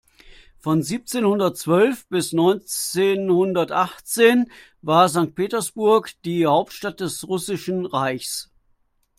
Von siebzehnhundertzwölf bis neunzehnhundertachtzehn war Sankt Petersburg die Hauptstadt des Russischen Reichs.